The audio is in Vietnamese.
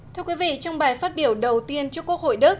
thưa quý vị trong bài phát biểu đầu tiên trước quốc hội đức